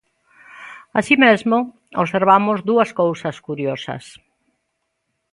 Así mesmo, observamos dúas cousas curiosas.